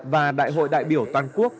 và đại hội đại biểu toàn quốc